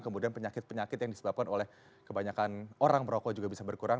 kemudian penyakit penyakit yang disebabkan oleh kebanyakan orang merokok juga bisa berkurang